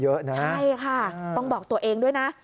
ใช่ค่ะต้องบอกตัวเองด้วยนะ